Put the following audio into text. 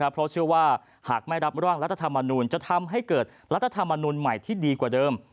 เพราะเชื่อว่าหากไม่รับร่างรัฐธรรมนูลจะทำให้เกิดรัฐธรรมนุนใหม่ที่ดีกว่าเดิม